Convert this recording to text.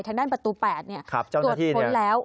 ทางด้านประตูแปดเนี่ยครับเจ้าหน้าที่เนี่ยตรวจพ้นแล้ว